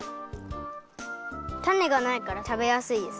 たねがないからたべやすいです。